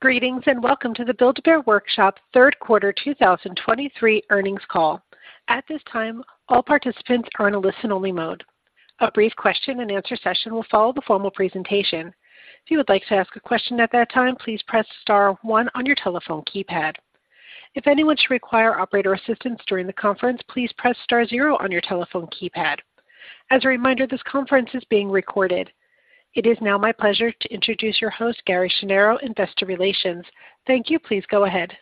Greetings, and welcome to the Build-A-Bear Workshop Third Quarter 2023 Earnings Call. At this time, all participants are in a listen-only mode. A brief question-and-answer session will follow the formal presentation. If you would like to ask a question at that time, please press star one on your telephone keypad. If anyone should require operator assistance during the conference, please press star zero on your telephone keypad. As a reminder, this conference is being recorded. It is now my pleasure to introduce your host, Gary Schnierow, Investor Relations. Thank you. Please go ahead.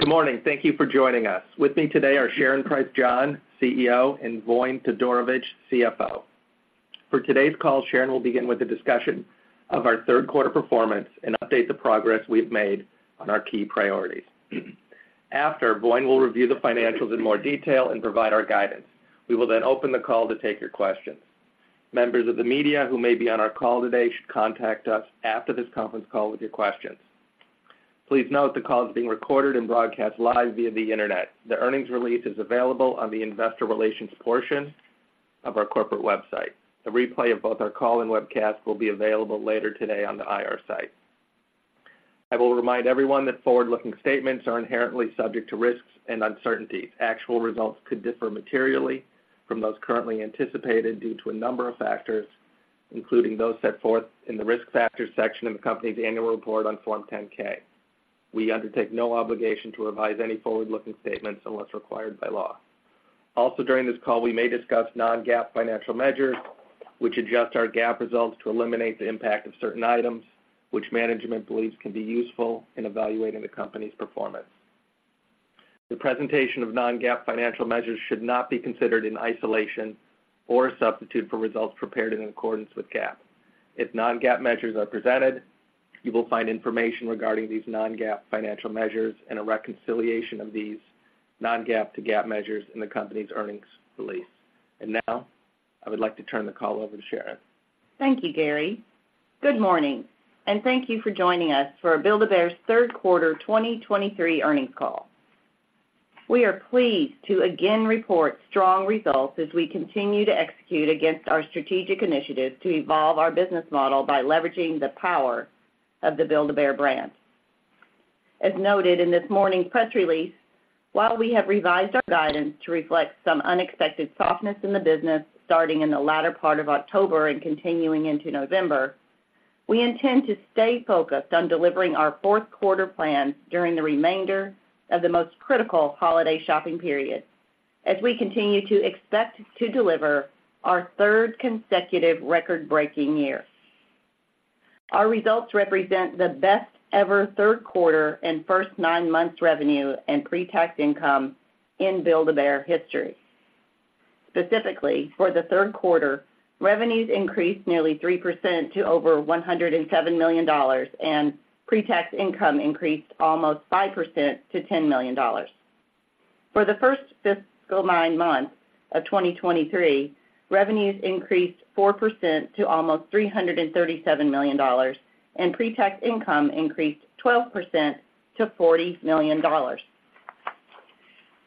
Good morning. Thank you for joining us. With me today are Sharon Price John, CEO, and Voin Todorovic, CFO. For today's call, Sharon will begin with a discussion of our third quarter performance and update the progress we've made on our key priorities. After, Voin will review the financials in more detail and provide our guidance. We will then open the call to take your questions. Members of the media who may be on our call today should contact us after this conference call with your questions. Please note, the call is being recorded and broadcast live via the Internet. The earnings release is available on the investor relations portion of our corporate website. The replay of both our call and webcast will be available later today on the IR site. I will remind everyone that forward-looking statements are inherently subject to risks and uncertainties. Actual results could differ materially from those currently anticipated due to a number of factors, including those set forth in the Risk Factors section of the company's annual report on Form 10-K. We undertake no obligation to revise any forward-looking statements unless required by law. Also, during this call, we may discuss non-GAAP financial measures, which adjust our GAAP results to eliminate the impact of certain items, which management believes can be useful in evaluating the company's performance. The presentation of non-GAAP financial measures should not be considered in isolation or a substitute for results prepared in accordance with GAAP. If non-GAAP measures are presented, you will find information regarding these non-GAAP financial measures and a reconciliation of these non-GAAP to GAAP measures in the company's earnings release. And now, I would like to turn the call over to Sharon. Thank you, Gary. Good morning, and thank you for joining us for Build-A-Bear's third quarter 2023 earnings call. We are pleased to again report strong results as we continue to execute against our strategic initiatives to evolve our business model by leveraging the power of the Build-A-Bear brand. As noted in this morning's press release, while we have revised our guidance to reflect some unexpected softness in the business starting in the latter part of October and continuing into November, we intend to stay focused on delivering our fourth quarter plans during the remainder of the most critical holiday shopping period, as we continue to expect to deliver our third consecutive record-breaking year. Our results represent the best-ever third quarter and first nine months revenue and pre-tax income in Build-A-Bear history. Specifically, for the third quarter, revenues increased nearly 3% to over $107 million, and pre-tax income increased almost 5% to $10 million. For the first fiscal nine months of 2023, revenues increased 4% to almost $337 million, and pre-tax income increased 12% to $40 million.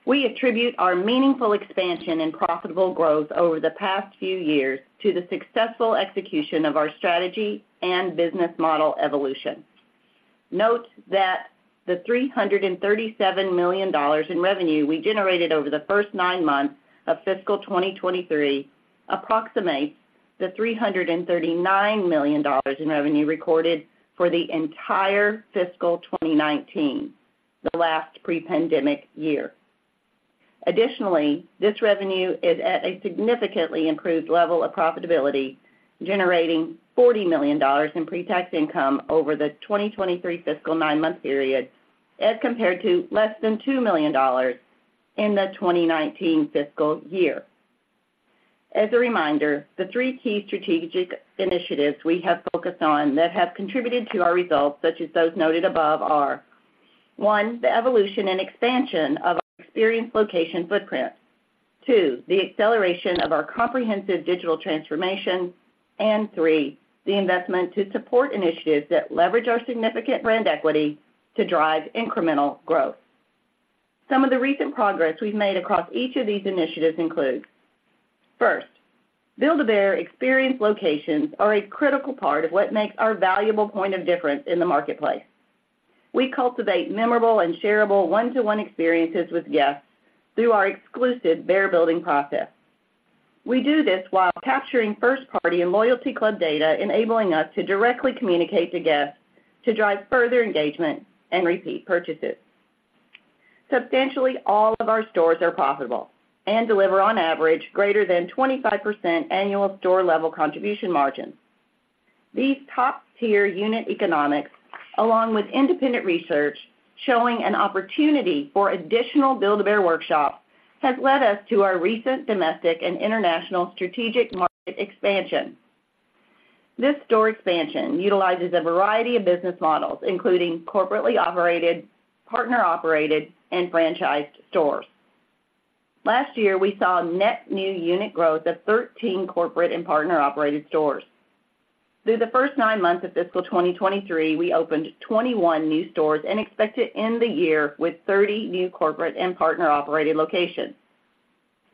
We attribute our meaningful expansion and profitable growth over the past few years to the successful execution of our strategy and business model evolution. Note that the $337 million in revenue we generated over the first nine months of fiscal 2023 approximates the $339 million in revenue recorded for the entire fiscal 2019, the last pre-pandemic year. Additionally, this revenue is at a significantly improved level of profitability, generating $40 million in pre-tax income over the 2023 fiscal nine-month period, as compared to less than $2 million in the 2019 fiscal year. As a reminder, the three key strategic initiatives we have focused on that have contributed to our results, such as those noted above, are, one, the evolution and expansion of our experience location footprint. Two, the acceleration of our comprehensive digital transformation, and three, the investment to support initiatives that leverage our significant brand equity to drive incremental growth. Some of the recent progress we've made across each of these initiatives includes, first, Build-A-Bear experience locations are a critical part of what makes our valuable point of difference in the marketplace. We cultivate memorable and shareable one-to-one experiences with guests through our exclusive bear-building process. We do this while capturing first-party and loyalty club data, enabling us to directly communicate to guests to drive further engagement and repeat purchases. Substantially, all of our stores are profitable and deliver, on average, greater than 25% annual store-level contribution margin. These top-tier unit economics, along with independent research, showing an opportunity for additional Build-A-Bear Workshop, has led us to our recent domestic and international strategic market expansion. This store expansion utilizes a variety of business models, including corporately operated, partner-operated, and franchised stores. Last year, we saw net new unit growth of 13 corporate and partner-operated stores. Through the first nine months of fiscal 2023, we opened 21 new stores and expect to end the year with 30 new corporate and partner-operated locations.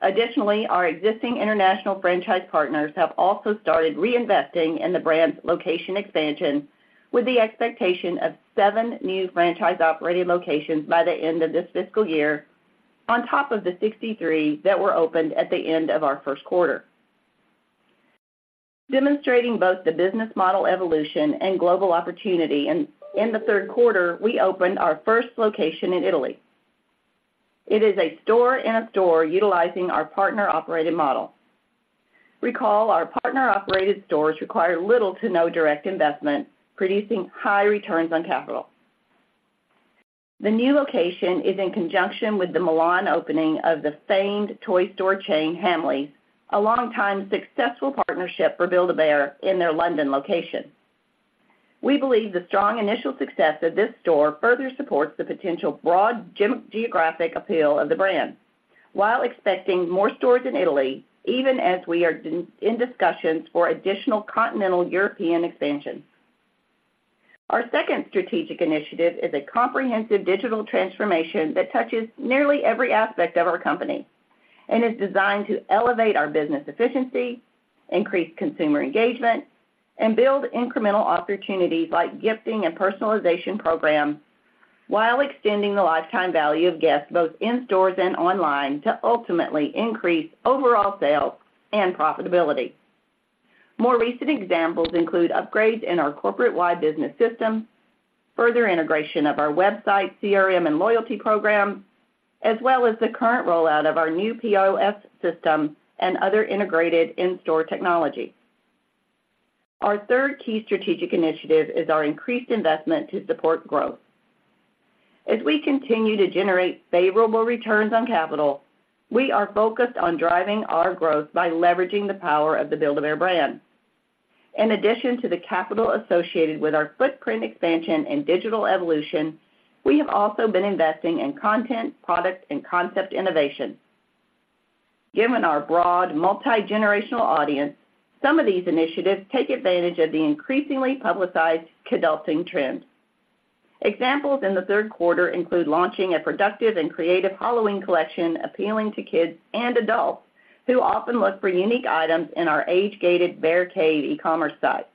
Additionally, our existing international franchise partners have also started reinvesting in the brand's location expansion, with the expectation of seven new franchise-operated locations by the end of this fiscal year, on top of the 63 that were opened at the end of our first quarter. Demonstrating both the business model evolution and global opportunity, in the third quarter, we opened our first location in Italy. It is a store in a store utilizing our partner-operated model. Recall, our partner-operated stores require little to no direct investment, producing high returns on capital. The new location is in conjunction with the Milan opening of the famed toy store chain, Hamleys, a long-time successful partnership for Build-A-Bear in their London location. We believe the strong initial success of this store further supports the potential broad geographic appeal of the brand, while expecting more stores in Italy, even as we are in discussions for additional continental European expansion. Our second strategic initiative is a comprehensive digital transformation that touches nearly every aspect of our company and is designed to elevate our business efficiency, increase consumer engagement, and build incremental opportunities like gifting and personalization programs, while extending the lifetime value of guests, both in stores and online, to ultimately increase overall sales and profitability. More recent examples include upgrades in our corporate-wide business systems, further integration of our website, CRM, and loyalty program, as well as the current rollout of our new POS system and other integrated in-store technology. Our third key strategic initiative is our increased investment to support growth. As we continue to generate favorable returns on capital, we are focused on driving our growth by leveraging the power of the Build-A-Bear brand. In addition to the capital associated with our footprint expansion and digital evolution, we have also been investing in content, product, and concept innovation. Given our broad, multigenerational audience, some of these initiatives take advantage of the increasingly publicized kidulting trend. Examples in the third quarter include launching a productive and creative Halloween collection appealing to kids and adults who often look for unique items in our age-gated Bear Cave e-commerce site.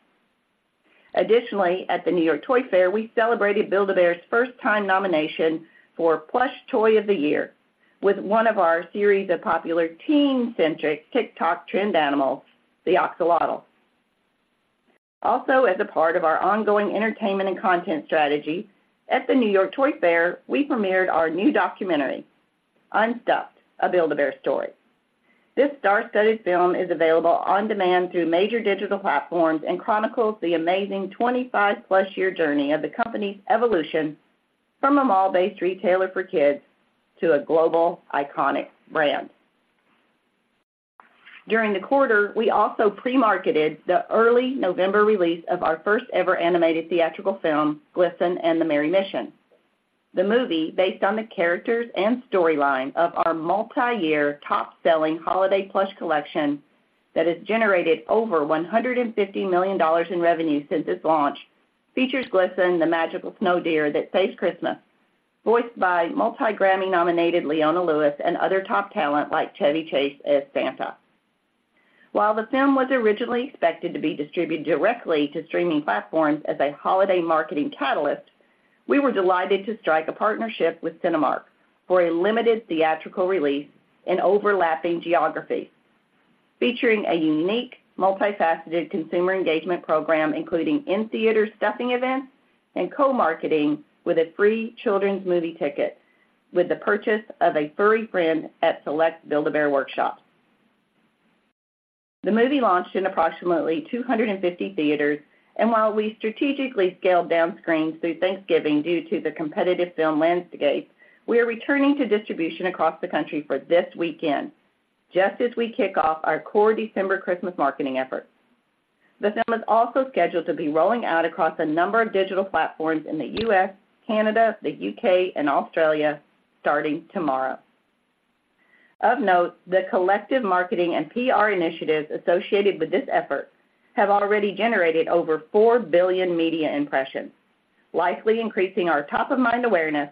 Additionally, at the New York Toy Fair, we celebrated Build-A-Bear's first-time nomination for Plush Toy of the Year with one of our series of popular teen-centric TikTok trend animals, the Axolotl. Also, as a part of our ongoing entertainment and content strategy, at the New York Toy Fair, we premiered our new documentary, Unstuffed: A Build-A-Bear Story. This star-studded film is available on demand through major digital platforms and chronicles the amazing 25+ year journey of the company's evolution from a mall-based retailer for kids to a global iconic brand. During the quarter, we also pre-marketed the early November release of our first-ever animated theatrical film, Glisten and the Merry Mission. The movie, based on the characters and storyline of our multiyear top-selling holiday plush collection that has generated over $150 million in revenue since its launch, features Glisten, the magical snow deer that saves Christmas, voiced by multi-Grammy-nominated Leona Lewis and other top talent, like Chevy Chase as Santa. While the film was originally expected to be distributed directly to streaming platforms as a holiday marketing catalyst, we were delighted to strike a partnership with Cinemark for a limited theatrical release in overlapping geographies, featuring a unique, multifaceted consumer engagement program, including in-theater stuffing events and co-marketing with a free children's movie ticket with the purchase of a furry friend at select Build-A-Bear Workshops. The movie launched in approximately 250 theaters, and while we strategically scaled down screens through Thanksgiving due to the competitive film landscape, we are returning to distribution across the country for this weekend, just as we kick off our core December Christmas marketing efforts. The film is also scheduled to be rolling out across a number of digital platforms in the U.S., Canada, the U.K., and Australia, starting tomorrow. Of note, the collective marketing and PR initiatives associated with this effort have already generated over 4 billion media impressions, likely increasing our top-of-mind awareness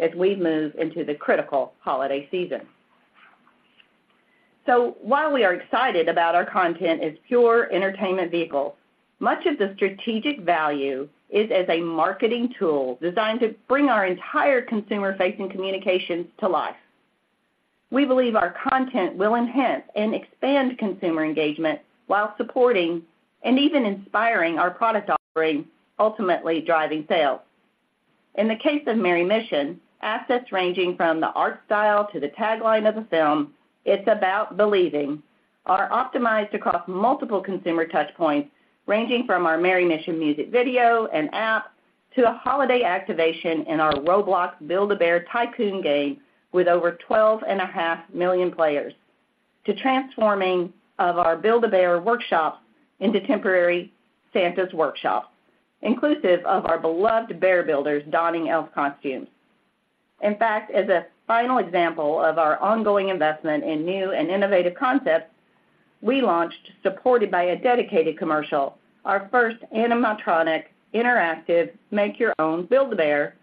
as we move into the critical holiday season. So while we are excited about our content as pure entertainment vehicles, much of the strategic value is as a marketing tool designed to bring our entire consumer-facing communications to life. We believe our content will enhance and expand consumer engagement while supporting and even inspiring our product offering, ultimately driving sales. In the case of Merry Mission, assets ranging from the art style to the tagline of the film, "It's about believing," are optimized across multiple consumer touch points, ranging from our Merry Mission music video and app, to a holiday activation in our Roblox Build-A-Bear Tycoon game, with over 12.5 million players, to transforming of our Build-A-Bear Workshop into temporary Santa's Workshop, inclusive of our beloved Bear Builders donning elf costumes. In fact, as a final example of our ongoing investment in new and innovative concepts, we launched, supported by a dedicated commercial, our first animatronic, interactive, Make Your Own Build-A-Bear,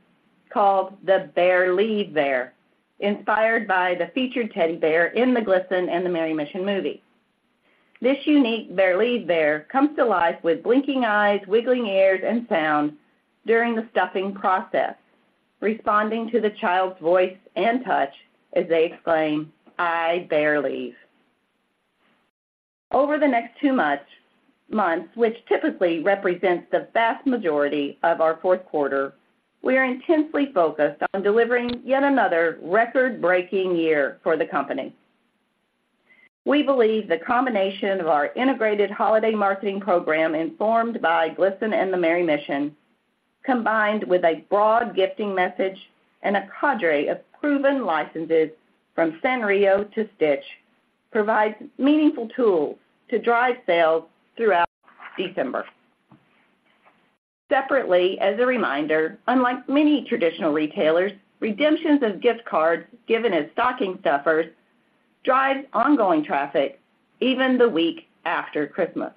called the Bearlieve Bear, inspired by the featured teddy bear in the Glisten and the Merry Mission movie. This unique Bearlieve Bear comes to life with blinking eyes, wiggling ears, and sound during the stuffing process, responding to the child's voice and touch as they exclaim, "I Bearlieve!" Over the next two months, which typically represents the vast majority of our fourth quarter, we are intensely focused on delivering yet another record-breaking year for the company. We believe the combination of our integrated holiday marketing program, informed by Glisten and the Merry Mission, combined with a broad gifting message and a cadre of proven licenses from Sanrio to Stitch, provides meaningful tools to drive sales throughout December. Separately, as a reminder, unlike many traditional retailers, redemptions of gift cards given as stocking stuffers drives ongoing traffic even the week after Christmas.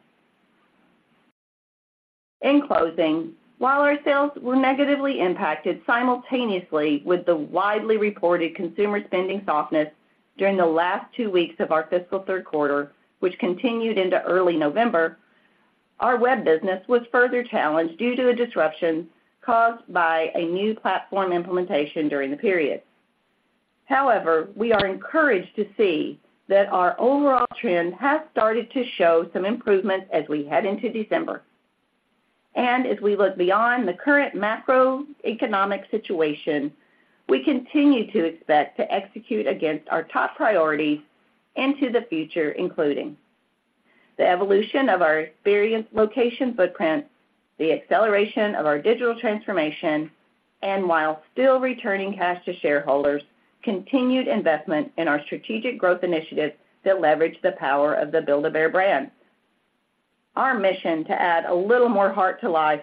In closing, while our sales were negatively impacted simultaneously with the widely reported consumer spending softness during the last two weeks of our fiscal third quarter, which continued into early November, our web business was further challenged due to a disruption caused by a new platform implementation during the period. However, we are encouraged to see that our overall trend has started to show some improvement as we head into December. As we look beyond the current macroeconomic situation, we continue to expect to execute against our top priorities into the future, including the evolution of our experience location footprint, the acceleration of our digital transformation, and while still returning cash to shareholders, continued investment in our strategic growth initiatives that leverage the power of the Build-A-Bear brand. Our mission to add a little more heart to life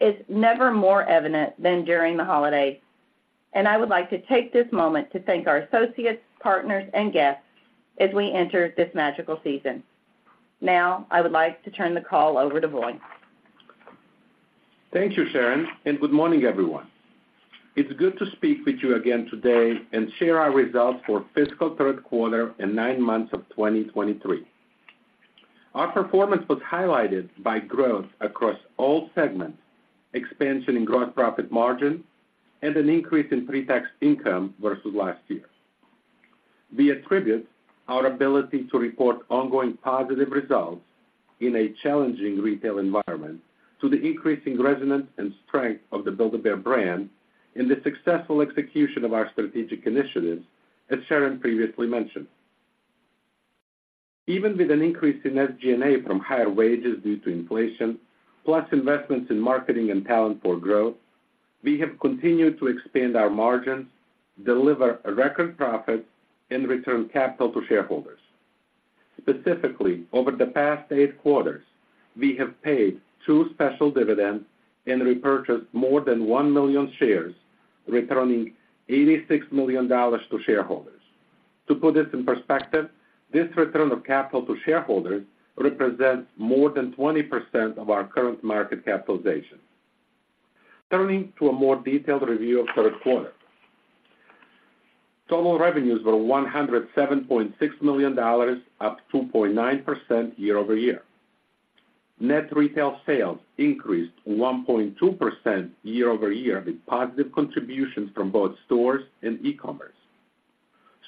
is never more evident than during the holidays, and I would like to take this moment to thank our associates, partners, and guests as we enter this magical season. Now, I would like to turn the call over to Voin. Thank you, Sharon, and good morning, everyone. It's good to speak with you again today and share our results for fiscal third quarter and nine months of 2023. Our performance was highlighted by growth across all segments, expansion in gross profit margin, and an increase in pre-tax income versus last year. We attribute our ability to report ongoing positive results in a challenging retail environment to the increasing resonance and strength of the Build-A-Bear brand and the successful execution of our strategic initiatives, as Sharon previously mentioned. Even with an increase in SG&A from higher wages due to inflation, plus investments in marketing and talent for growth, we have continued to expand our margins, deliver a record profit, and return capital to shareholders. Specifically, over the past 8 quarters, we have paid two special dividends and repurchased more than 1 million shares, returning $86 million to shareholders. To put this in perspective, this return of capital to shareholders represents more than 20% of our current market capitalization. Turning to a more detailed review of third quarter. Total revenues were $107.6 million, up 2.9% year-over-year. Net retail sales increased 1.2% year-over-year, with positive contributions from both stores and e-commerce.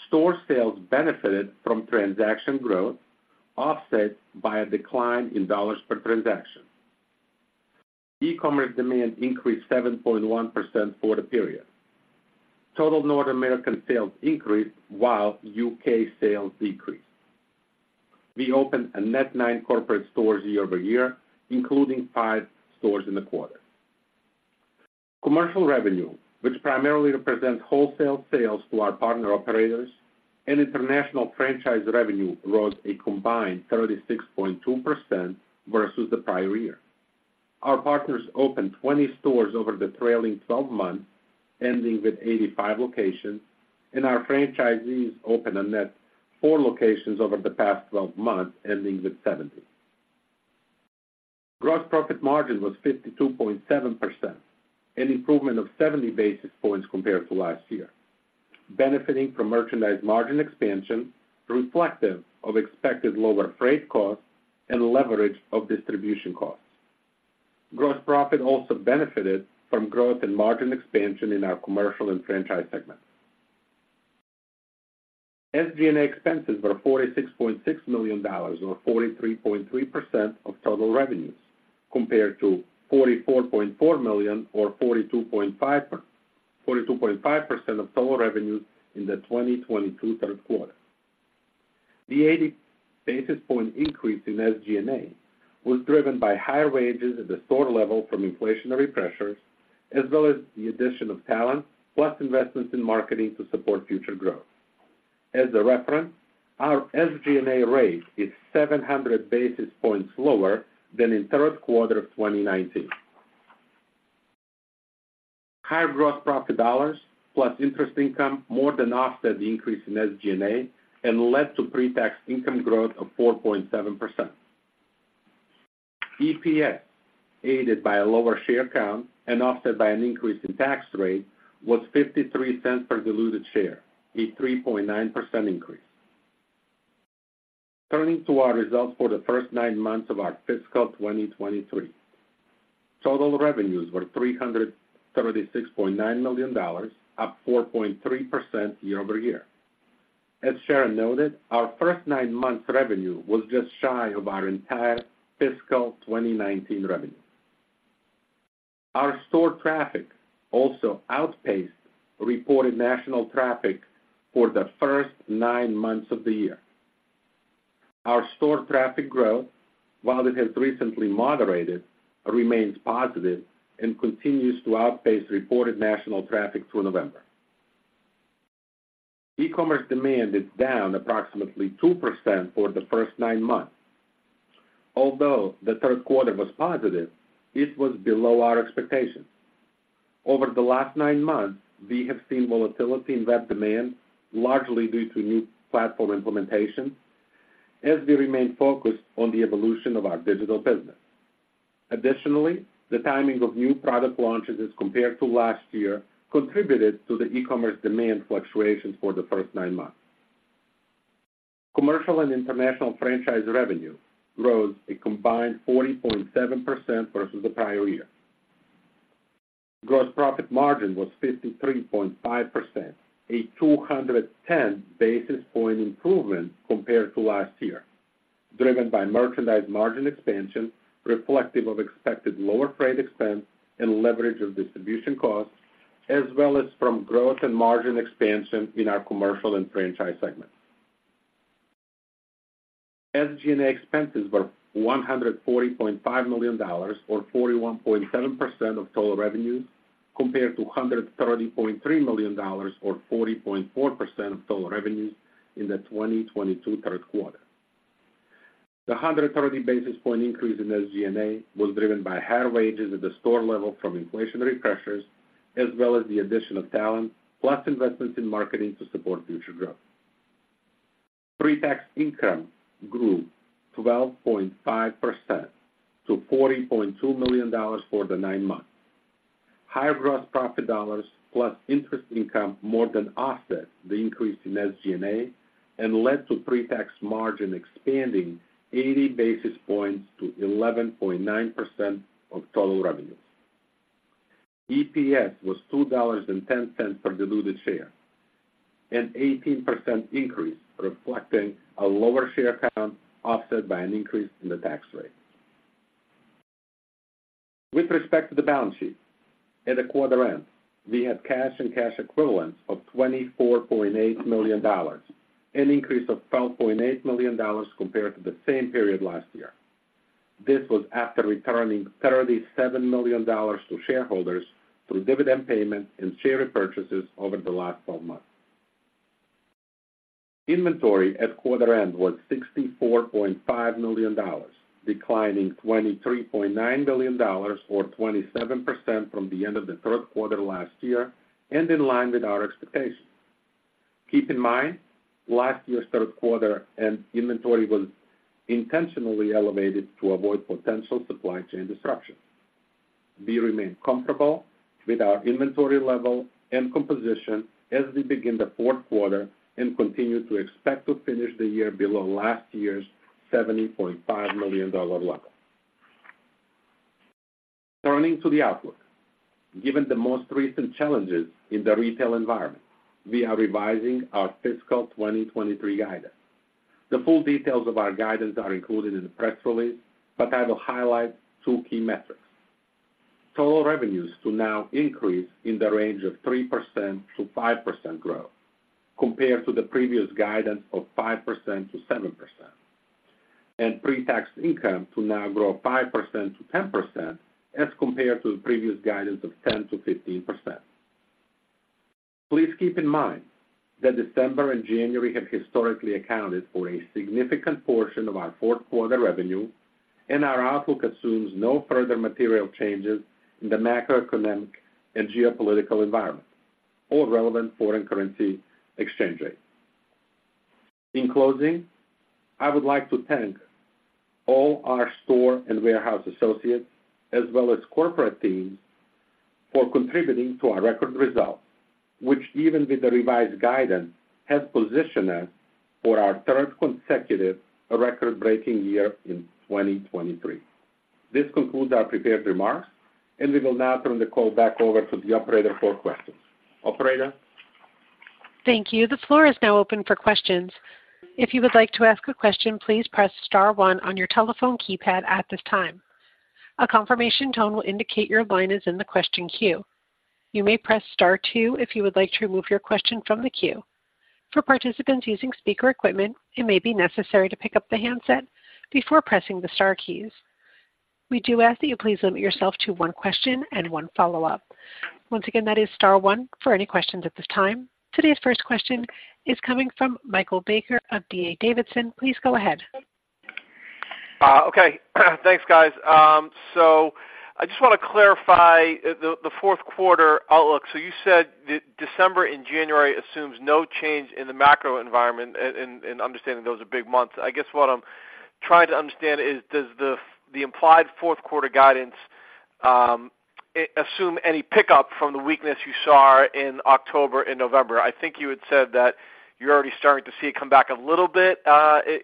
Store sales benefited from transaction growth, offset by a decline in dollars per transaction. E-commerce demand increased 7.1% for the period. Total North American sales increased, while U.K. sales decreased. We opened a net nine corporate stores year-over-year, including five stores in the quarter. Commercial revenue, which primarily represents wholesale sales to our partner operators and international franchise revenue, rose a combined 36.2% versus the prior year. Our partners opened 20 stores over the trailing twelve months, ending with 85 locations, and our franchisees opened a net four locations over the past twelve months, ending with 70. Gross profit margin was 52.7%, an improvement of 70 basis points compared to last year, benefiting from merchandise margin expansion, reflective of expected lower freight costs and leverage of distribution costs. Gross profit also benefited from growth and margin expansion in our commercial and franchise segments. SG&A expenses were $46.6 million, or 43.3% of total revenues, compared to $44.4 million, or 42.5%, 42.5% of total revenues in the 2022 third quarter. The 80 basis point increase in SG&A was driven by higher wages at the store level from inflationary pressures, as well as the addition of talent, plus investments in marketing to support future growth. As a reference, our SG&A rate is 700 basis points lower than in third quarter of 2019. Higher gross profit dollars plus interest income more than offset the increase in SG&A and led to pre-tax income growth of 4.7%. EPS, aided by a lower share count and offset by an increase in tax rate, was $0.53 per diluted share, a 3.9% increase. Turning to our results for the first nine months of our fiscal 2023. Total revenues were $336.9 million, up 4.3% year-over-year. As Sharon noted, our first nine months revenue was just shy of our entire fiscal 2019 revenue. Our store traffic also outpaced reported national traffic for the first nine months of the year. Our store traffic growth, while it has recently moderated, remains positive and continues to outpace reported national traffic through November. E-commerce demand is down approximately 2% for the first nine months. Although the third quarter was positive, it was below our expectations. Over the last nine months, we have seen volatility in web demand, largely due to new platform implementations, as we remain focused on the evolution of our digital business. Additionally, the timing of new product launches as compared to last year contributed to the e-commerce demand fluctuations for the first nine months. Commercial and international franchise revenue rose a combined 40.7% versus the prior year. Gross profit margin was 53.5%, a 210 basis point improvement compared to last year, driven by merchandise margin expansion, reflective of expected lower freight expense and leverage of distribution costs, as well as from growth and margin expansion in our commercial and franchise segments. SG&A expenses were $140.5 million, or 41.7% of total revenues, compared to $130.3 million, or 40.4% of total revenues in the 2022 third quarter. The 130 basis point increase in SG&A was driven by higher wages at the store level from inflationary pressures, as well as the addition of talent, plus investments in marketing to support future growth. Pre-tax income grew 12.5% to $40.2 million for the nine months. Higher gross profit dollars plus interest income more than offset the increase in SG&A and led to pre-tax margin expanding 80 basis points to 11.9% of total revenues. EPS was $2.10 per diluted share, an 18% increase, reflecting a lower share count, offset by an increase in the tax rate. With respect to the balance sheet, at the quarter end, we had cash and cash equivalents of $24.8 million, an increase of $12.8 million compared to the same period last year. This was after returning $37 million to shareholders through dividend payments and share repurchases over the last twelve months. Inventory at quarter end was $64.5 million, declining $23.9 million or 27% from the end of the third quarter last year, and in line with our expectations. Keep in mind, last year's third quarter end inventory was intentionally elevated to avoid potential supply chain disruptions. We remain comfortable with our inventory level and composition as we begin the fourth quarter and continue to expect to finish the year below last year's $70.5 million level. Turning to the outlook. Given the most recent challenges in the retail environment, we are revising our fiscal 2023 guidance. The full details of our guidance are included in the press release, but I will highlight two key metrics. Total revenues to now increase in the range of 3%-5% growth compared to the previous guidance of 5%-7%, and pre-tax income to now grow 5%-10%, as compared to the previous guidance of 10%-15%. Please keep in mind that December and January have historically accounted for a significant portion of our fourth quarter revenue, and our outlook assumes no further material changes in the macroeconomic and geopolitical environment or relevant foreign currency exchange rates. In closing, I would like to thank all our store and warehouse associates, as well as corporate teams, for contributing to our record results, which, even with the revised guidance, has positioned us for our third consecutive record-breaking year in 2023. This concludes our prepared remarks, and we will now turn the call back over to the operator for questions. Operator? Thank you. The floor is now open for questions. If you would like to ask a question, please press star one on your telephone keypad at this time. A confirmation tone will indicate your line is in the question queue. You may press star two if you would like to remove your question from the queue. For participants using speaker equipment, it may be necessary to pick up the handset before pressing the star keys. We do ask that you please limit yourself to one question and one follow-up. Once again, that is star one for any questions at this time. Today's first question is coming from Michael Baker of D.A. Davidson. Please go ahead. Okay. Thanks, guys. So I just wanna clarify the fourth quarter outlook. So you said that December and January assumes no change in the macro environment, and understanding those are big months. I guess what I'm trying to understand is, does the implied fourth quarter guidance assume any pickup from the weakness you saw in October and November? I think you had said that you're already starting to see it come back a little bit,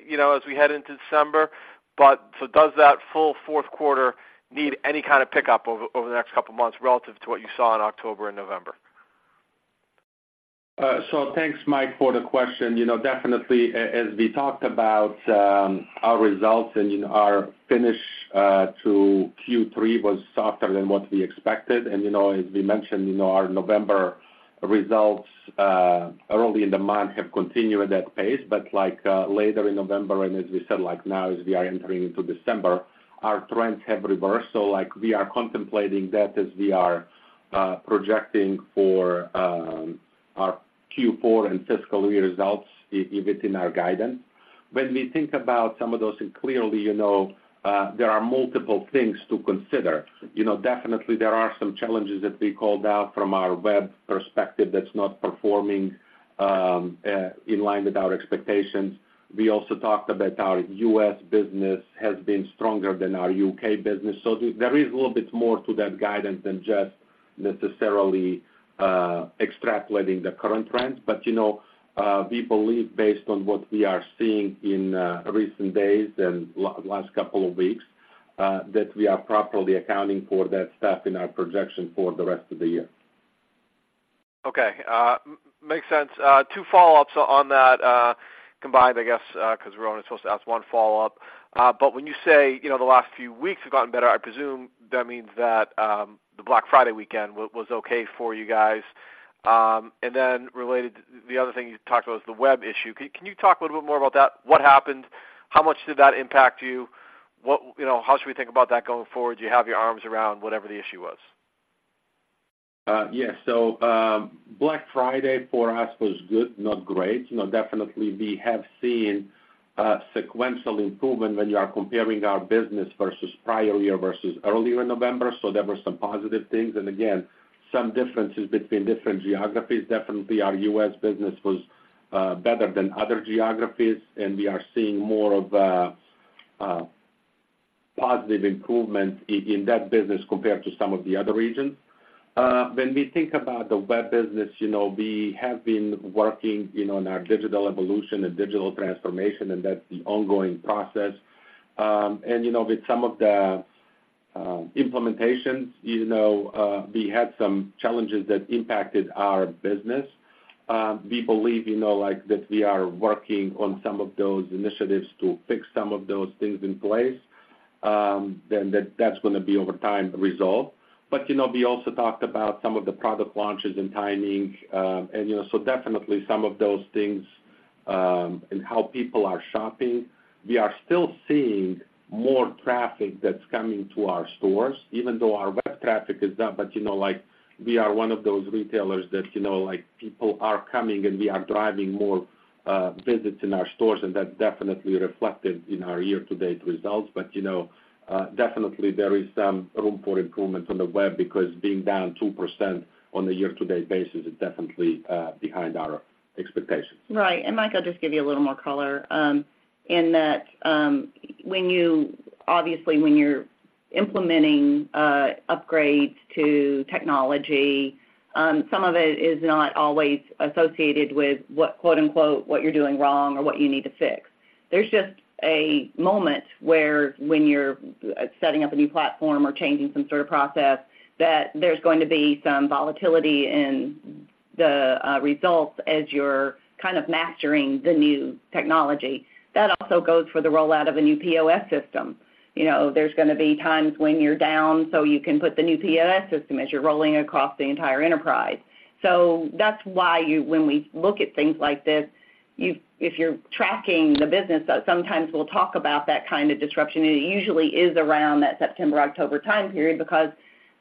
you know, as we head into December, but so does that full fourth quarter need any kind of pickup over the next couple of months relative to what you saw in October and November? Thanks, Mike, for the question. You know, definitely, as we talked about, our results and, you know, our finish to Q3 was softer than what we expected. You know, as we mentioned, you know, our November results early in the month have continued at that pace. Like, later in November, and as we said, like now, as we are entering into December, our trends have reversed. Like, we are contemplating that as we are projecting for our Q4 and fiscal year results if it's in our guidance. When we think about some of those, and clearly, you know, there are multiple things to consider. You know, definitely there are some challenges that we called out from our web perspective that's not performing in line with our expectations. We also talked about our U.S. business has been stronger than our U.K. business. So there is a little bit more to that guidance than just necessarily extrapolating the current trends. But, you know, we believe based on what we are seeing in recent days and last couple of weeks that we are properly accounting for that stuff in our projection for the rest of the year. Okay, makes sense. Two follow-ups on that, combined, I guess, because we're only supposed to ask one follow-up. But when you say, you know, the last few weeks have gotten better, I presume that means that, the Black Friday weekend was okay for you guys. And then related, the other thing you talked about was the web issue. Can you talk a little bit more about that? What happened? How much did that impact you? What, you know, how should we think about that going forward? Do you have your arms around whatever the issue was? Yes. So, Black Friday for us was good, not great. You know, definitely we have seen sequential improvement when you are comparing our business versus prior year versus earlier in November. So there were some positive things, and again, some differences between different geographies. Definitely, our U.S. business was better than other geographies, and we are seeing more of positive improvement in that business compared to some of the other regions. When we think about the web business, you know, we have been working, you know, on our digital evolution and digital transformation, and that's the ongoing process. And, you know, with some of the implementations, you know, we had some challenges that impacted our business. We believe, you know, like, that we are working on some of those initiatives to fix some of those things in place, and that that's gonna be over time resolved. But, you know, we also talked about some of the product launches and timing, and, you know, so definitely some of those things, and how people are shopping. We are still seeing more traffic that's coming to our stores, even though our web traffic is down. But, you know, like, we are one of those retailers that, you know, like, people are coming, and we are driving more, visits in our stores, and that definitely reflected in our year-to-date results. But, you know, definitely there is some room for improvement on the web because being down 2% on a year-to-date basis is definitely, behind our expectations. Right. And, Mike, I'll just give you a little more color in that, obviously, when you're implementing upgrades to technology, some of it is not always associated with what, quote, unquote, "What you're doing wrong or what you need to fix." There's just a moment where when you're setting up a new platform or changing some sort of process, that there's going to be some volatility in the results as you're kind of mastering the new technology. That also goes for the rollout of a new POS system. You know, there's gonna be times when you're down, so you can put the new POS system as you're rolling across the entire enterprise. So that's why, when we look at things like this, if you're tracking the business, sometimes we'll talk about that kind of disruption, and it usually is around that September-October time period, because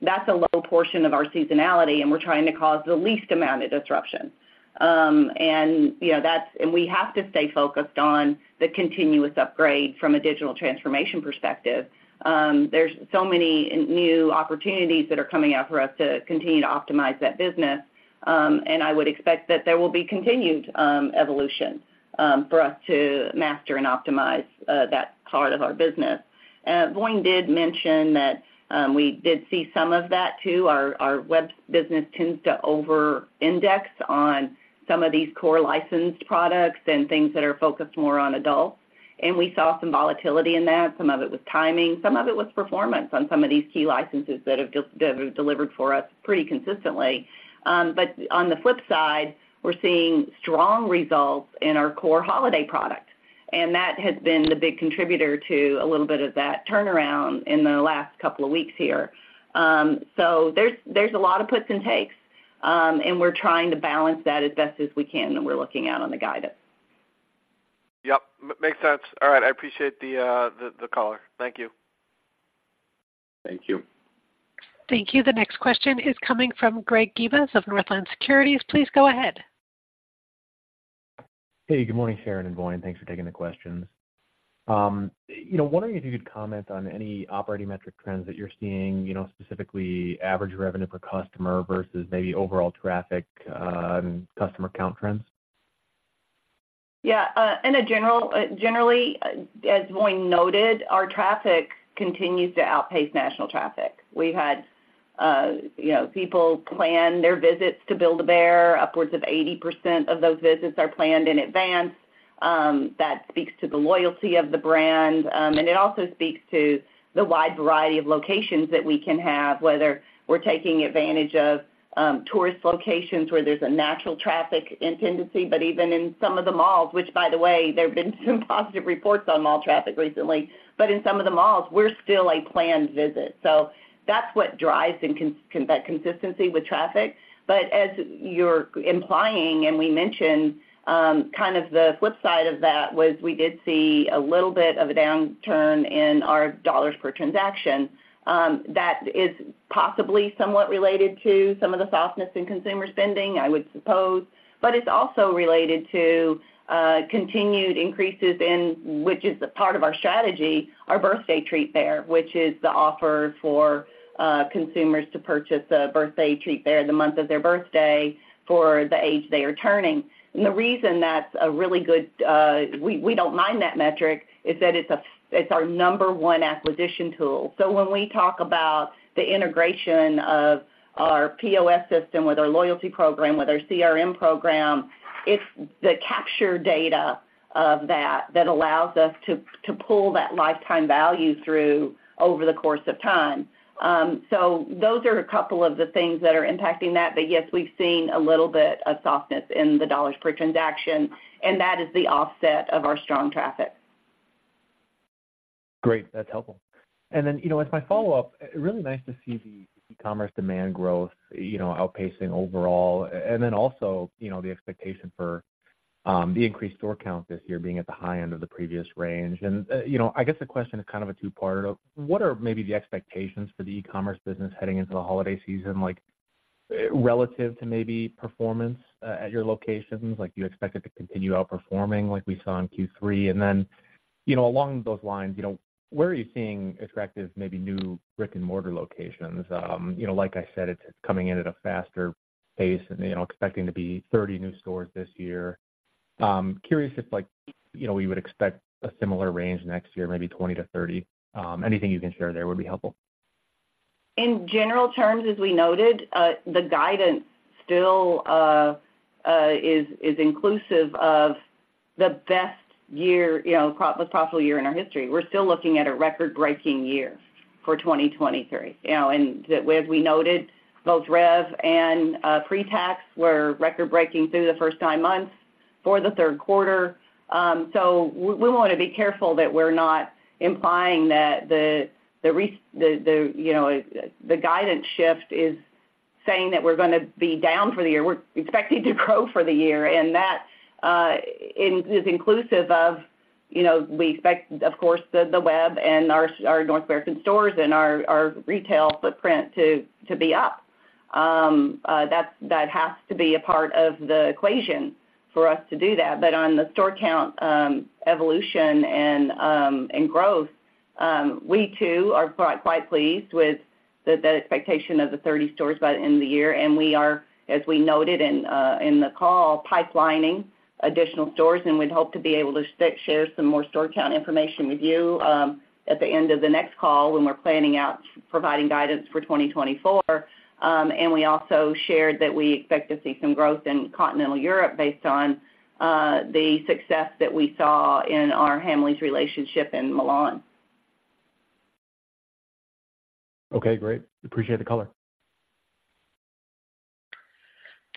that's a low portion of our seasonality, and we're trying to cause the least amount of disruption. And, you know, we have to stay focused on the continuous upgrade from a digital transformation perspective. There's so many new opportunities that are coming out for us to continue to optimize that business. And I would expect that there will be continued evolution for us to master and optimize that part of our business. And Voin did mention that we did see some of that, too. Our web business tends to over-index on some of these core licensed products and things that are focused more on adults, and we saw some volatility in that. Some of it was timing, some of it was performance on some of these key licenses that have just under-delivered for us pretty consistently. But on the flip side, we're seeing strong results in our core holiday products, and that has been the big contributor to a little bit of that turnaround in the last couple of weeks here. So there's a lot of puts and takes, and we're trying to balance that as best as we can, and we're looking out on the guidance. Yep, makes sense. All right, I appreciate the color. Thank you. Thank you. Thank you. The next question is coming from Greg Gibas of Northland Securities. Please go ahead. Hey, good morning, Sharon and Voin. Thanks for taking the questions. You know, wondering if you could comment on any operating metric trends that you're seeing, you know, specifically average revenue per customer versus maybe overall traffic, customer count trends? Yeah, generally, as Voin noted, our traffic continues to outpace national traffic. We've had, you know, people plan their visits to Build-A-Bear. Upwards of 80% of those visits are planned in advance. That speaks to the loyalty of the brand, and it also speaks to the wide variety of locations that we can have, whether we're taking advantage of tourist locations where there's a natural traffic and tendency, but even in some of the malls, which by the way, there have been some positive reports on mall traffic recently. But in some of the malls, we're still a planned visit, so that's what drives that consistency with traffic. But as you're implying, and we mentioned, kind of the flip side of that was we did see a little bit of a downturn in our dollars per transaction. That is possibly somewhat related to some of the softness in consumer spending, I would suppose, but it's also related to continued increases in, which is a part of our strategy, our Birthday Treat Bear, which is the offer for consumers to purchase a Birthday Treat Bear the month of their birthday for the age they are turning. And the reason that's a really good, we don't mind that metric is that it's our number one acquisition tool. So when we talk about the integration of our POS system with our loyalty program, with our CRM program, it's the capture data of that that allows us to pull that lifetime value through over the course of time. So those are a couple of the things that are impacting that. But yes, we've seen a little bit of softness in the dollars per transaction, and that is the offset of our strong traffic. Great. That's helpful. And then, you know, as my follow-up, really nice to see the e-commerce demand growth, you know, outpacing overall. And then also, you know, the expectation for the increased store count this year being at the high end of the previous range. And, you know, I guess the question is kind of a two-parter. What are maybe the expectations for the e-commerce business heading into the holiday season, like, relative to maybe performance at your locations? Like, do you expect it to continue outperforming like we saw in Q3? And then, you know, along those lines, you know, where are you seeing attractive, maybe new brick-and-mortar locations? You know, like I said, it's coming in at a faster pace and, you know, expecting to be 30 new stores this year. Curious if, like, you know, we would expect a similar range next year, maybe 20-30? Anything you can share there would be helpful. In general terms, as we noted, the guidance still is inclusive of the best year, you know, the most profitable year in our history. We're still looking at a record-breaking year for 2023. You know, and as we noted, both rev and pretax were record-breaking through the first nine months for the third quarter. So we wanna be careful that we're not implying that, you know, the guidance shift is saying that we're gonna be down for the year. We're expecting to grow for the year, and that is inclusive of, you know, we expect, of course, the web and our North American stores and our retail footprint to be up. That has to be a part of the equation for us to do that. On the store count, evolution and growth, we too are quite pleased with the expectation of the 30 stores by the end of the year. We are, as we noted in the call, pipelining additional stores, and we'd hope to be able to share some more store count information with you at the end of the next call when we're planning out providing guidance for 2024. We also shared that we expect to see some growth in continental Europe based on the success that we saw in our Hamleys relationship in Milan. Okay, great. Appreciate the color.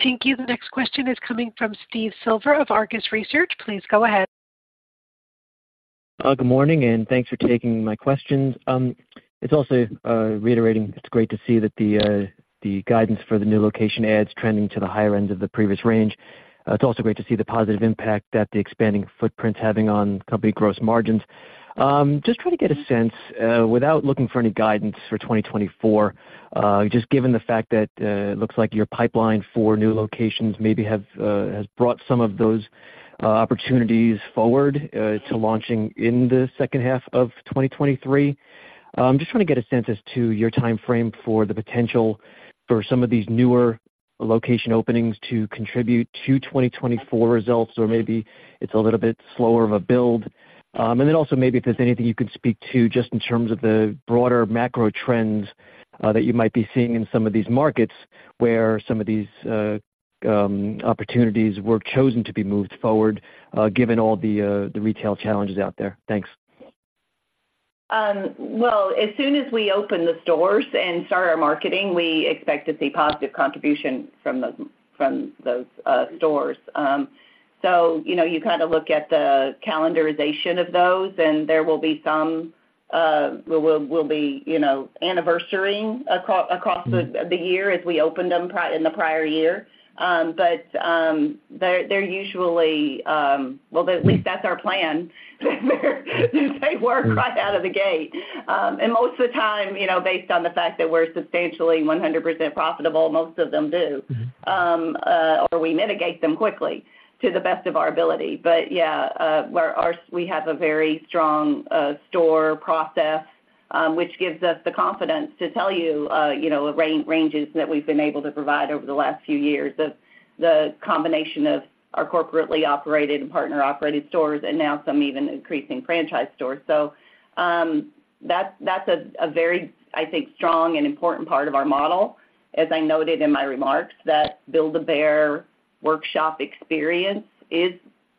Thank you. The next question is coming from Steve Silver of Argus Research. Please go ahead. Good morning, and thanks for taking my questions. It's also reiterating it's great to see that the guidance for the new location adds trending to the higher end of the previous range. It's also great to see the positive impact that the expanding footprint is having on company gross margins. Just trying to get a sense, without looking for any guidance for 2024, just given the fact that it looks like your pipeline for new locations maybe have has brought some of those opportunities forward to launching in the second half of 2023. Just want to get a sense as to your timeframe for the potential for some of these newer location openings to contribute to 2024 results, or maybe it's a little bit slower of a build. And then also, maybe if there's anything you can speak to just in terms of the broader macro trends that you might be seeing in some of these markets, where some of these opportunities were chosen to be moved forward, given all the retail challenges out there. Thanks. Well, as soon as we open the stores and start our marketing, we expect to see positive contribution from the, from those stores. So you know, you kind of look at the calendarization of those, and there will be some will be, you know, anniversarying across the year as we opened them in the prior year. But, they're usually, well, at least that's our plan, that they work right out of the gate. And most of the time, you know, based on the fact that we're substantially 100% profitable, most of them do. Or we mitigate them quickly to the best of our ability. But yeah, we have a very strong, store process-... which gives us the confidence to tell you, you know, ranges that we've been able to provide over the last few years of the combination of our corporately operated and partner-operated stores and now some even increasing franchise stores. So, that's a very, I think, strong and important part of our model. As I noted in my remarks, that Build-A-Bear Workshop experience is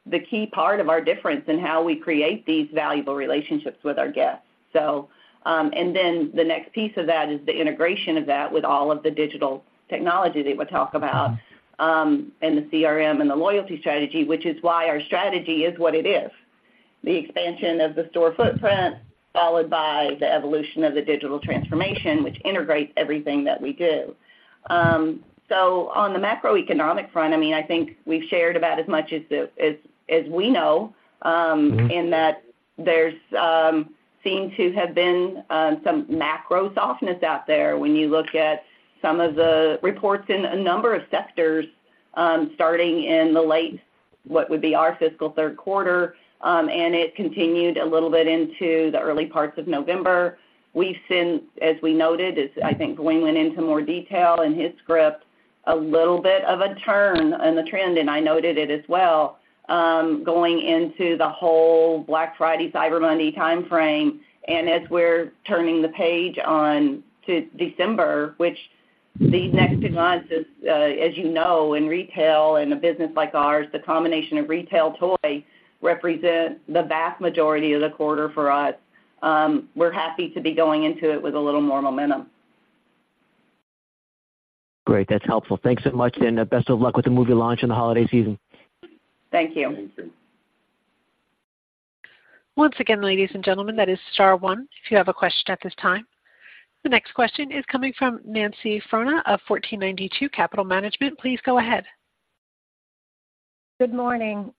the key part of our difference in how we create these valuable relationships with our guests. So, and then the next piece of that is the integration of that with all of the digital technology that we talk about, and the CRM and the loyalty strategy, which is why our strategy is what it is. The expansion of the store footprint, followed by the evolution of the digital transformation, which integrates everything that we do. So, on the macroeconomic front, I mean, I think we've shared about as much as we know, in that there seems to have been some macro softness out there when you look at some of the reports in a number of sectors, starting in the late, what would be our fiscal third quarter. And it continued a little bit into the early parts of November. We've seen, as we noted, as I think Voin went into more detail in his script, a little bit of a turn on the trend, and I noted it as well, going into the whole Black Friday, Cyber Monday time frame. As we're turning the page on to December, which these next two months is, as you know, in retail and a business like ours, the combination of retail toy represent the vast majority of the quarter for us. We're happy to be going into it with a little more momentum. Great, that's helpful. Thanks so much, and best of luck with the movie launch and the holiday season. Thank you. Once again, ladies and gentlemen, that is star one if you have a question at this time. The next question is coming from Nancy Frohna of 1492 Capital Management. Please go ahead. Good morning.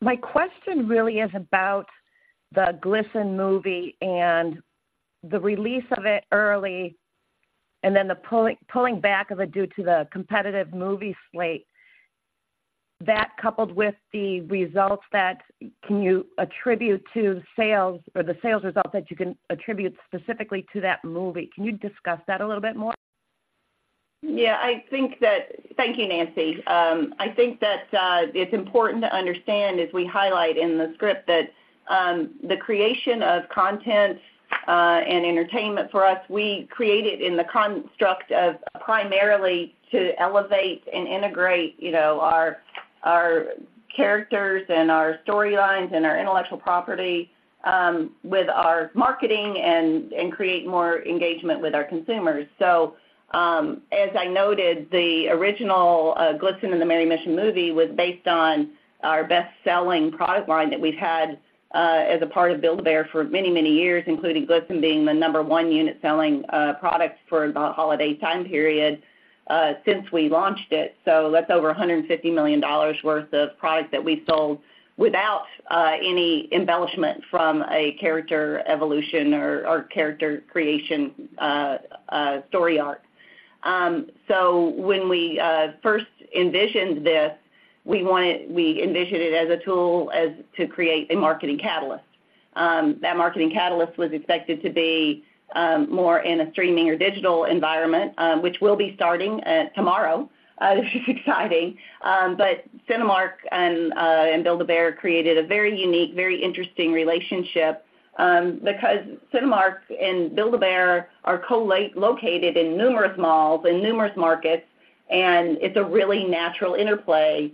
My question really is about the Glisten movie and the release of it early, and then the pulling back of it due to the competitive movie slate. That coupled with the results that can you attribute to sales or the sales results that you can attribute specifically to that movie? Can you discuss that a little bit more? Yeah, I think that... Thank you, Nancy. I think that, it's important to understand, as we highlight in the script, that, the creation of content, and entertainment for us, we create it in the construct of primarily to elevate and integrate, you know, our, our characters and our storylines and our intellectual property, with our marketing and, and create more engagement with our consumers. So, as I noted, the original, Glisten and the Merry Mission movie was based on our best-selling product line that we've had, as a part of Build-A-Bear for many, many years, including Glisten being the number one unit selling, product for the holiday time period, since we launched it. So that's over $150 million worth of product that we sold without any embellishment from a character evolution or character creation story arc. So when we first envisioned this, we envisioned it as a tool as to create a marketing catalyst. That marketing catalyst was expected to be more in a streaming or digital environment, which will be starting tomorrow. Which is exciting, but Cinemark and Build-A-Bear created a very unique, very interesting relationship, because Cinemark and Build-A-Bear are co-located in numerous malls, in numerous markets, and it's a really natural interplay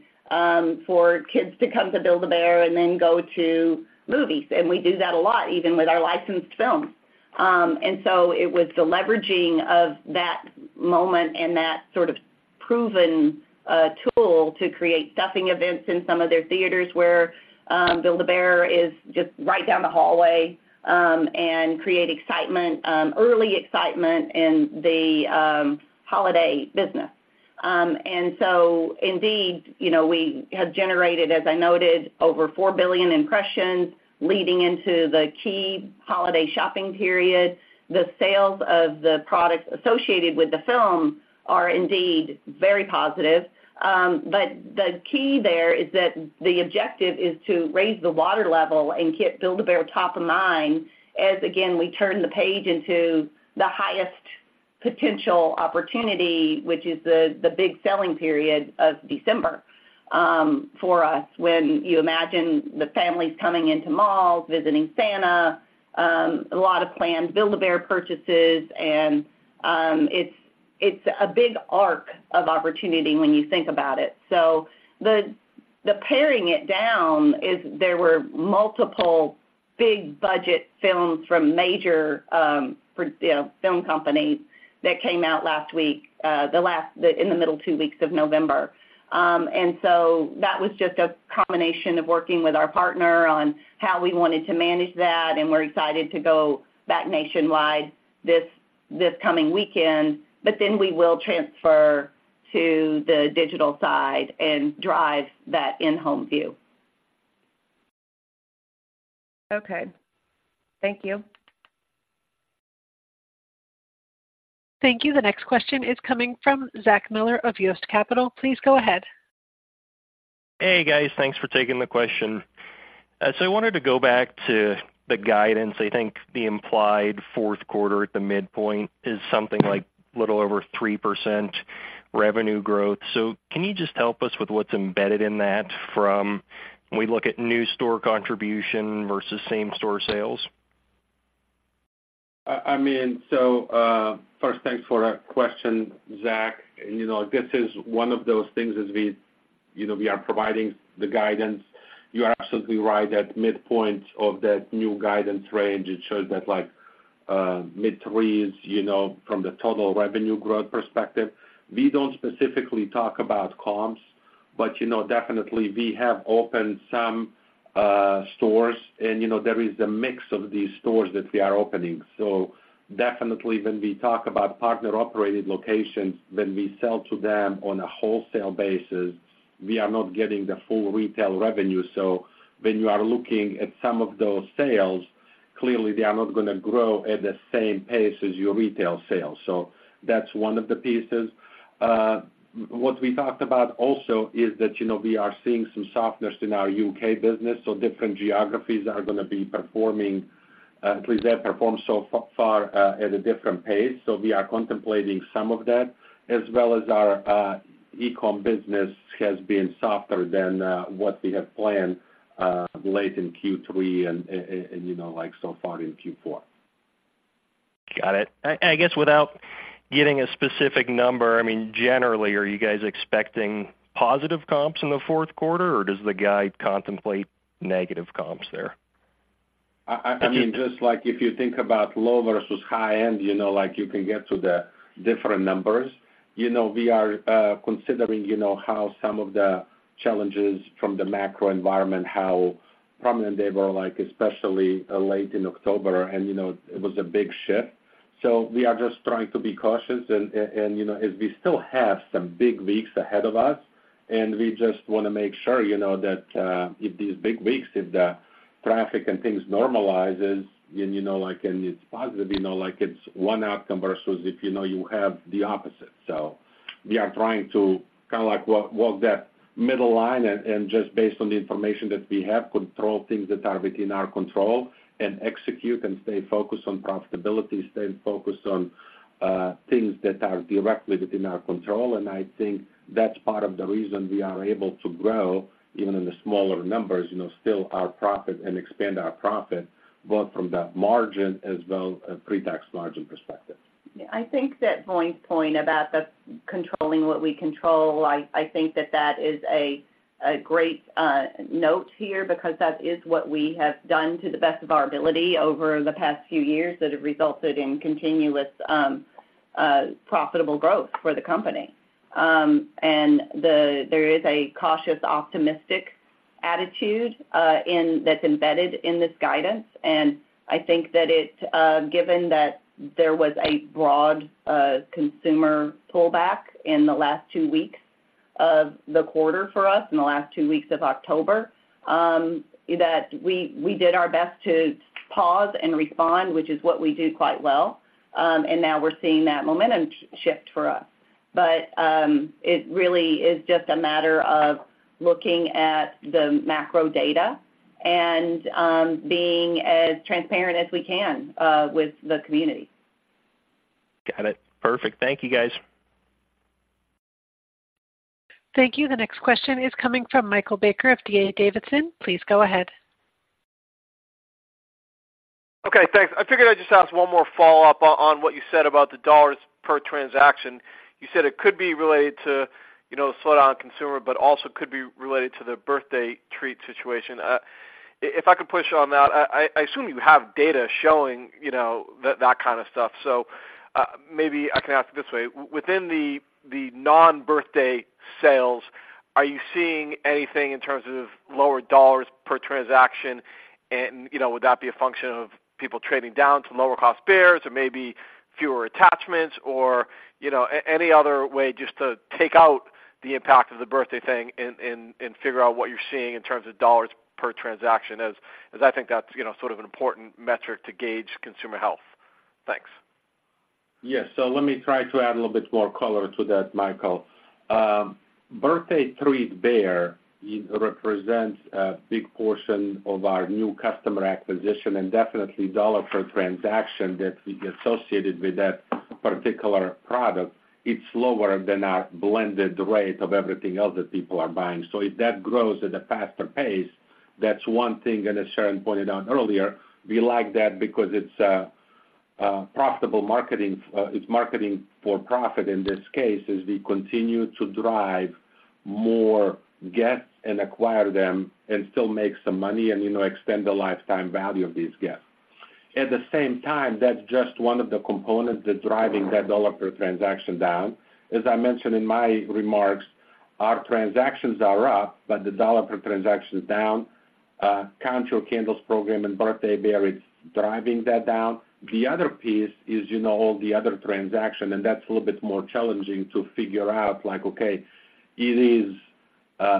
for kids to come to Build-A-Bear and then go to movies. And we do that a lot, even with our licensed films. And so it was the leveraging of that moment and that sort of proven tool to create stuffing events in some of their theaters where Build-A-Bear is just right down the hallway and create excitement, early excitement, in the holiday business. And so indeed, you know, we have generated, as I noted, over 4 billion impressions leading into the key holiday shopping period. The sales of the products associated with the film are indeed very positive. But the key there is that the objective is to raise the water level and keep Build-A-Bear top of mind as, again, we turn the page into the highest potential opportunity, which is the big selling period of December for us, when you imagine the families coming into malls, visiting Santa, a lot of planned Build-A-Bear purchases, and it's a big arc of opportunity when you think about it. So the paring it down is there were multiple big budget films from major, you know, film companies that came out last week in the middle two weeks of November. And so that was just a combination of working with our partner on how we wanted to manage that, and we're excited to go back nationwide this coming weekend, but then we will transfer to the digital side and drive that in-home view. Okay. Thank you. Thank you. The next question is coming from Zach Miller of Yost Capital. Please go ahead. Hey, guys. Thanks for taking the question. So I wanted to go back to the guidance. I think the implied fourth quarter at the midpoint is something like a little over 3% revenue growth. So can you just help us with what's embedded in that from when we look at new store contribution versus same-store sales? I mean, so first, thanks for that question, Zach. You know, this is one of those things as we, you know, we are providing the guidance. You are absolutely right at midpoint of that new guidance range. It shows that, like, mid-threes, you know, from the total revenue growth perspective. We don't specifically talk about comps, but, you know, definitely we have opened some stores, and, you know, there is a mix of these stores that we are opening. So definitely when we talk about partner-operated locations, when we sell to them on a wholesale basis, we are not getting the full retail revenue. So when you are looking at some of those sales, clearly they are not gonna grow at the same pace as your retail sales. So that's one of the pieces. What we talked about also is that, you know, we are seeing some softness in our U.K. business, so different geographies are gonna be performing, at least they have performed so far, at a different pace. So we are contemplating some of that, as well as our e-com business has been softer than what we had planned late in Q3 and you know, like, so far in Q4. Got it. I guess without getting a specific number, I mean, generally, are you guys expecting positive comps in the fourth quarter, or does the guide contemplate negative comps there? I mean, just like if you think about low versus high end, you know, like, you can get to the different numbers. You know, we are considering, you know, how some of the challenges from the macro environment, how prominent they were, like, especially late in October, and, you know, it was a big shift. So we are just trying to be cautious, and, you know, as we still have some big weeks ahead of us, and we just wanna make sure, you know, that, if these big weeks, if the traffic and things normalizes, and, you know, like, and it's positive, you know, like it's one outcome versus if, you know, you have the opposite. So we are trying to kind of like walk that middle line and just based on the information that we have, control things that are within our control and execute and stay focused on profitability, stay focused on things that are directly within our control. And I think that's part of the reason we are able to grow, even in the smaller numbers, you know, still our profit and expand our profit, both from that margin as well as a pre-tax margin perspective. Yeah, I think that Voin's point about controlling what we control. I think that that is a great note here, because that is what we have done to the best of our ability over the past few years that have resulted in continuous profitable growth for the company. And there is a cautious, optimistic attitude that's embedded in this guidance, and I think that it's given that there was a broad consumer pullback in the last two weeks of the quarter for us, in the last two weeks of October, that we did our best to pause and respond, which is what we do quite well. And now we're seeing that momentum shift for us. It really is just a matter of looking at the macro data and being as transparent as we can with the community. Got it. Perfect. Thank you, guys. Thank you. The next question is coming from Michael Baker of D.A. Davidson. Please go ahead. Okay, thanks. I figured I'd just ask one more follow-up on what you said about the dollars per transaction. You said it could be related to, you know, the consumer slowdown, but also could be related to the Birthday Treat situation. If I could push on that, I assume you have data showing, you know, that kind of stuff. So, maybe I can ask it this way: Within the non-birthday sales, are you seeing anything in terms of lower dollars per transaction? You know, would that be a function of people trading down to lower cost bears or maybe fewer attachments or, you know, any other way just to take out the impact of the birthday thing and figure out what you're seeing in terms of dollars per transaction, as I think that's, you know, sort of an important metric to gauge consumer health. Thanks. Yes. So let me try to add a little bit more color to that, Michael. Birthday Treat Bear, it represents a big portion of our new customer acquisition and definitely dollar per transaction that we associated with that particular product. It's lower than our blended rate of everything else that people are buying. So if that grows at a faster pace, that's one thing, and as Sharon pointed out earlier, we like that because it's profitable marketing, it's marketing for profit in this case, as we continue to drive more guests and acquire them and still make some money and, you know, extend the lifetime value of these guests. At the same time, that's just one of the components that's driving that dollar per transaction down. As I mentioned in my remarks, our transactions are up, but the dollar per transaction is down. Count Your Candles program and Birthday Bear is driving that down. The other piece is, you know, all the other transaction, and that's a little bit more challenging to figure out, like, okay, it is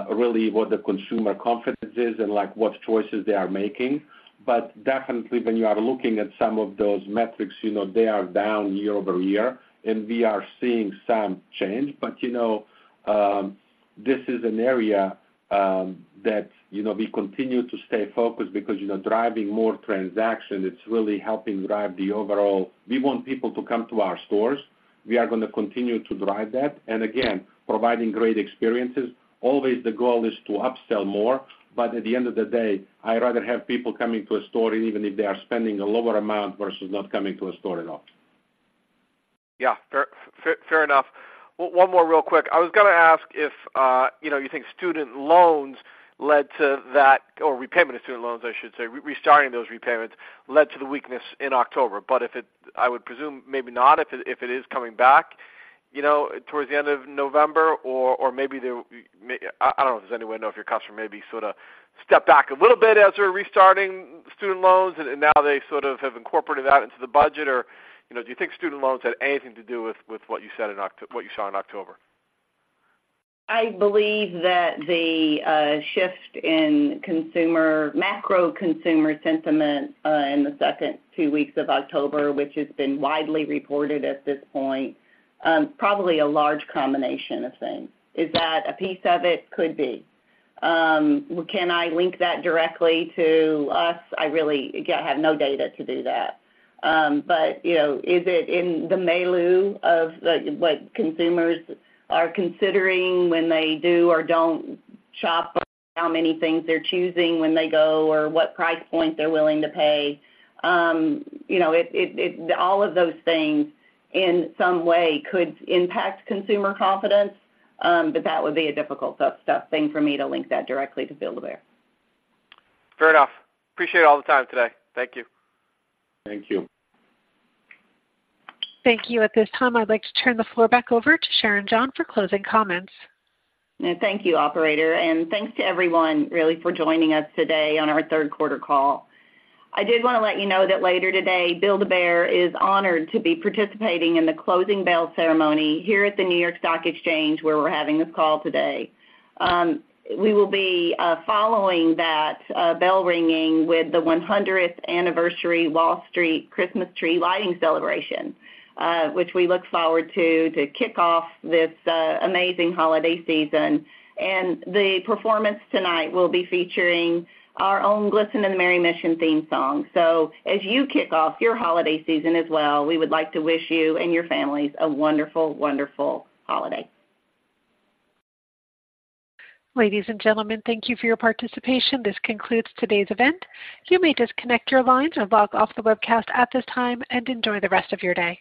really what the consumer confidence is and like what choices they are making. But definitely when you are looking at some of those metrics, you know, they are down year-over-year, and we are seeing some change. But, you know, this is an area, that, you know, we continue to stay focused because, you know, driving more transaction, it's really helping drive the overall. We want people to come to our stores. We are going to continue to drive that. And again, providing great experiences, always the goal is to upsell more, but at the end of the day, I'd rather have people coming to a store, even if they are spending a lower amount versus not coming to a store at all. Yeah, fair, fair enough. One more real quick. I was going to ask if, you know, you think student loans led to that, or repayment of student loans, I should say, restarting those repayments led to the weakness in October. But if it... I would presume maybe not, if it is coming back, you know, towards the end of November, or maybe there, I don't know if there's any way to know if your customer maybe sort of stepped back a little bit as they're restarting student loans, and now they sort of have incorporated that into the budget. Or, you know, do you think student loans had anything to do with what you said in Octo- what you saw in October? I believe that the shift in consumer macro consumer sentiment in the second two weeks of October, which has been widely reported at this point, probably a large combination of things. Is that a piece of it? Could be. Can I link that directly to us? I really, again, have no data to do that. But, you know, is it in the milieu of the what consumers are considering when they do or don't shop, how many things they're choosing when they go, or what price point they're willing to pay? You know, it all of those things in some way could impact consumer confidence, but that would be a difficult sub-sub thing for me to link that directly to Build-A-Bear. Fair enough. Appreciate all the time today. Thank you. Thank you. Thank you. At this time, I'd like to turn the floor back over to Sharon John for closing comments. Thank you, operator, and thanks to everyone, really, for joining us today on our third quarter call. I did want to let you know that later today, Build-A-Bear is honored to be participating in the closing bell ceremony here at the New York Stock Exchange, where we're having this call today. We will be following that bell ringing with the 100th anniversary Wall Street Christmas tree lighting celebration, which we look forward to, to kick off this amazing holiday season. And the performance tonight will be featuring our own Glisten and the Merry Mission theme song. So as you kick off your holiday season as well, we would like to wish you and your families a wonderful, wonderful holiday. Ladies and gentlemen, thank you for your participation. This concludes today's event. You may disconnect your lines and log off the webcast at this time, and enjoy the rest of your day.